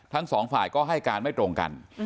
ทั้งสองฝ่ายก็ให้การไม่ตรงกัน